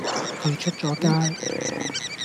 佢出咗街